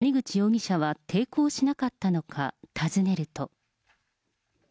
逮捕時、谷口容疑者は抵抗しなかったのか尋ねると。